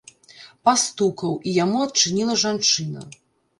Пастукаў, і яму адчыніла жанчына.